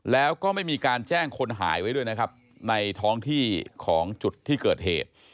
แล้วก็ไม่มีการแจ้งคนหายไว้ด้วยนะครับในท้องที่ของจุดที่เกิดเหตุ